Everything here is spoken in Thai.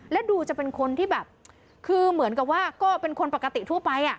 และดูจะเป็นคนที่แบบคือเหมือนกับว่าก็เป็นคนปกติทั่วไป